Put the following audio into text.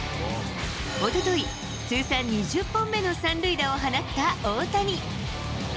おととい、通算２０本目の３塁打を放った大谷。